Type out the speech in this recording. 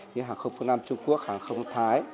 như hàng không phương nam trung quốc hàng không thái